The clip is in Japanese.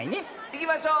いきましょう！